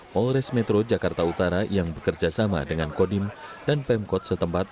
polres metro jakarta utara yang bekerja sama dengan kodim dan pemkot setempat